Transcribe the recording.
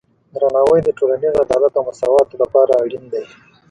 درناوی د ټولنیز عدالت او مساواتو لپاره اړین دی.